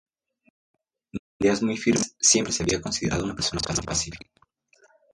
De ideas muy firmes, siempre se había considerado una persona pacífica.